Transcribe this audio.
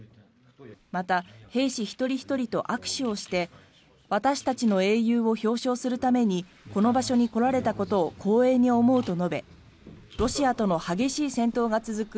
また兵士一人ひとりと握手をして私たちの英雄を表彰するためにこの場所に来られたことを光栄に思うと述べロシアとの激しい戦闘が続く